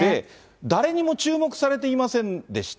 誰にも注目されていませんでした。